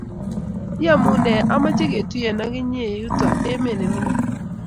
yemune amache ketuye ak inye yutok emet ne mining